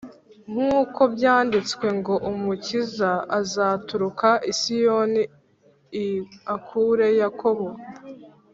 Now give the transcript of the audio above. Nk uko byanditswe ngo umukiza azaturuka i Siyoni i akure Yakobo